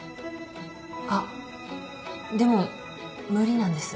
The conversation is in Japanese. あっでも無理なんです。